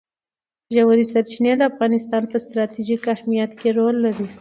ژورې سرچینې د افغانستان په ستراتیژیک اهمیت کې رول لري.